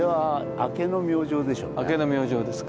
明けの明星ですか。